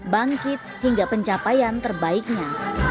bangkit hingga pencapaian terbaiknya